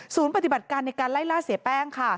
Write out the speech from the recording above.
ปฏิบัติการในการไล่ล่าเสียแป้งค่ะ